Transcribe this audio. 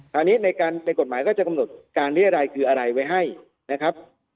คราวนี้ในกฎหมายก็จะกำหนดการเรียรัยคืออะไรไว้ให้นะครับ